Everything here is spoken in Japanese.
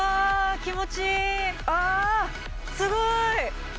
気持ちいいああっすごい！